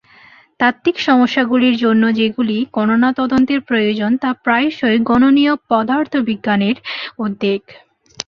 তাত্ত্বিক সমস্যাগুলির জন্য যেগুলি গণনা তদন্তের প্রয়োজন তা প্রায়শই গণনীয় পদার্থবিজ্ঞানের উদ্বেগ।